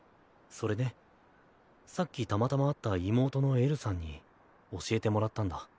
それねさっきたまたま会った妹のえるさんに教えてもらったんだ。